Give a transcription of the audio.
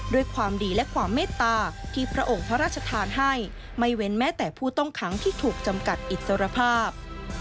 ด้วยความดีและความเมตตาที่พระองค์พระราชทานให้ไม่เว้นแม้แต่ผู้ต้องขังที่ถูกจำกัดอิสรภาพ